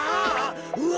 うわ。